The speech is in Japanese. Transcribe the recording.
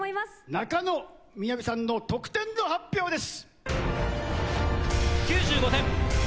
中野みやびさんの得点の発表です。